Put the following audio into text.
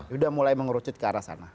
sudah mulai mengerucut ke arah sana